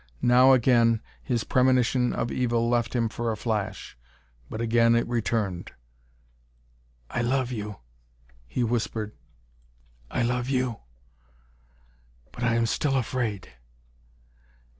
Now again, his premonition of evil left him for a flash; but again it returned. "I love you," he whispered. "I love you." "But I am still afraid."